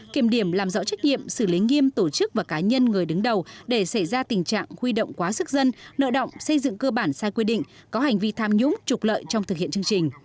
kiểm điểm làm rõ trách nhiệm xử lý nghiêm tổ chức và cá nhân người đứng đầu để xảy ra tình trạng huy động quá sức dân nợ động xây dựng cơ bản sai quy định có hành vi tham nhũng trục lợi trong thực hiện chương trình